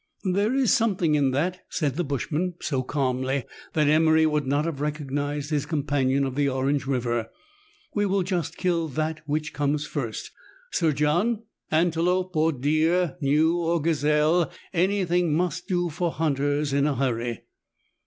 "There is something in that," said the bushman, so calmly that Emery would not have recognized his com panion of the Orange River; "we will just kill that which comes first. Sir John, antelope or deer, gnu or gazelle, any thing must do for hunters in a hurry."